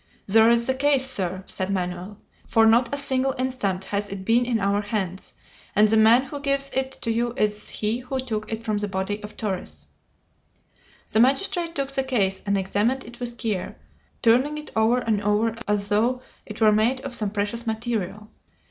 "There is the case, sir," said Manoel. "For not a single instant has it been in our hands, and the man who gives it to you is he who took it from the body of Torres." The magistrate took the case and examined it with care, turning it over and over as though it were made of some precious material.